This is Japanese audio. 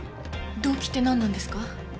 動機ってなんなんですか？